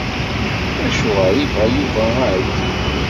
Acuɣer i yebɣa Yuba aɛewdiw?